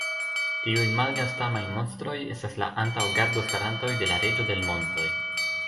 Tiuj malgastamaj monstroj estas la antaŭ-gardostarantoj de la Reĝo de l' montoj.